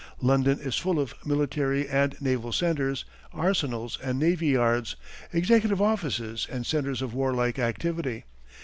London is full of military and naval centres, arsenals and navy yards, executive offices and centres of warlike activity.